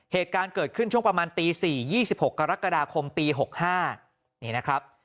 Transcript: เหตุการณ์เกิดขึ้นช่วงประมาณตีสี่ยี่สิบหกกรกฎาคมปีหกห้านี่นะครับ